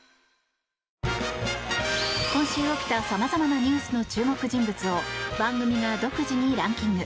今週起きた様々なニュースの注目人物を番組が独自にランキング。